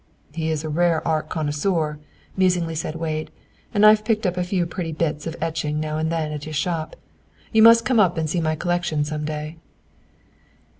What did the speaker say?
"He is a rare art connoisseur," musingly said Wade, "and I've picked up a few pretty bits of etching now and then at his shop. You must come up and see my collection some day."